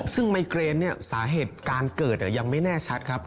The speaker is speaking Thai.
ซึ่งไมเกรนเนี่ยสาเหตุการเกิดยังไม่แน่ชัดครับ